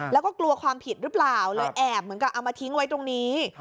แล้วก็กลัวความผิดหรือเปล่าเลยแอบเหมือนกับเอามาทิ้งไว้ตรงนี้